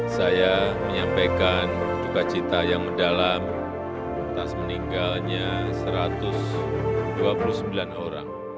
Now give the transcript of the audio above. saya menyampaikan dukacita yang mendalam tas meninggalnya satu ratus dua puluh sembilan orang